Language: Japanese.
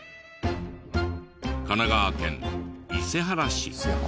神奈川県伊勢原市。